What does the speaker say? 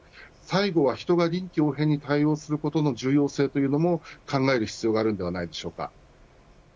最後は人が臨機応変に対応することの重要性も考える必要があるのではないでしょうか。